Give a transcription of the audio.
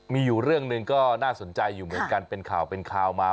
มีอยู่เรื่องหนึ่งก็น่าสนใจอยู่เหมือนกันเป็นข่าวเป็นข่าวมา